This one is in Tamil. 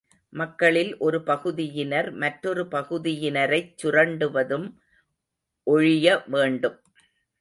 மக்களில் ஒரு பகுதியினர் மற்றொரு பகுதியினரைச் சுரண்டுவதும் ஒழிய வேண்டும்.